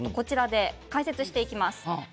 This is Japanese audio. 解説していきます。